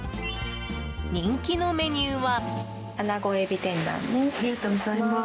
人気のメニューは。